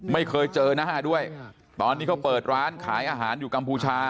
ไม่เคยเจอหน้าด้วยตอนนี้เขาเปิดร้านขายอาหารอยู่กัมพูชา